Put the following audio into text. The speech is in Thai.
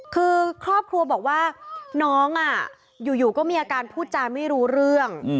คือครอบครัวบอกว่าน้องอยู่ก็มีอาการพูดจาไม่รู้เรื่อง